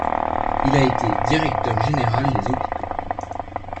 Il a été directeur général des hôpitaux.